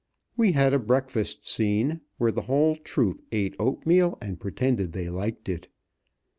We had a breakfast scene, where the whole troup ate oatmeal, and pretended they liked it.